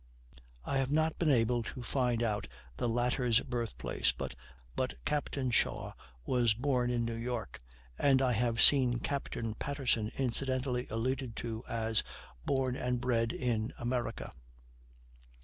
I have not been able to find out the latter's birth place, but Captain Shaw was born in New York, and I have seen Captain Patterson incidentally alluded to as "born and bred in America."